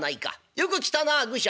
よく来たな愚者。